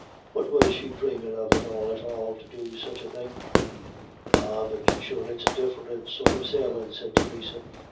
What was she dhramin' of at all at all to go do such a thing?" "Ah, but sure it's a diff'rint sort of sailin'," said Theresa.